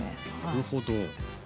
なるほど。